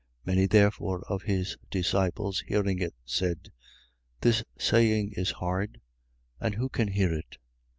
6:61. Many therefore of his disciples, hearing it, said: This saying is hard; and who can hear it?